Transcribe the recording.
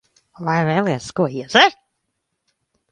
Vai vēlies ko iedzert?